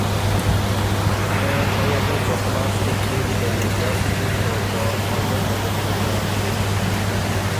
خېر ائه ګه په خلاص تېنړيې ویزر لګیا بُکِن او په مزۀ مزۀ ن بُو خوالک